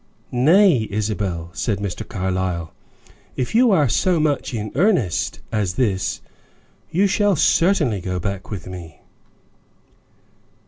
"Nay, Isabel," said Mr. Carlyle; "if you are so much in earnest as this, you shall certainly go back with me."